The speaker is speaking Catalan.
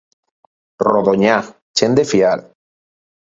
Rodonyà, gent de fiar.